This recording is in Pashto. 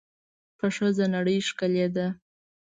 په ښځه نړۍ ښکلې ده.